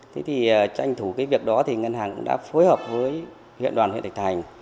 thế thì tranh thủ cái việc đó thì ngân hàng cũng đã phối hợp với huyện đoàn huyện thạch thành